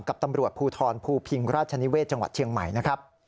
กับตำรวจภูทรภูพิงราชนิเวศจังหวัดเชียงใหม่นะครับ